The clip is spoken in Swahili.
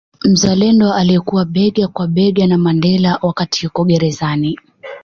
Mzalendo aliyekuwa bega kwa bega na Mandela wakati yuko gerezani